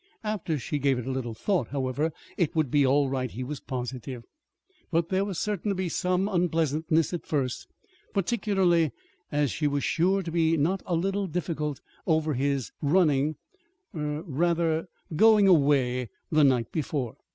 After she gave it a little thought, it would be all right, he was positive, but there was certain to be some unpleasantness at first, particularly as she was sure to be not a little difficult over his running er rather, going away the night before.